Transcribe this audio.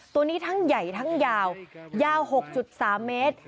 ตัวนี้ทั้งใหญ่ทั้งยาวยาว๖๓เมตร